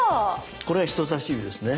これは人さし指ですね？